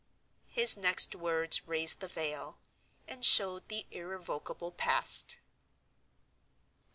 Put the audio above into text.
His next words raised the veil, and showed the irrevocable Past.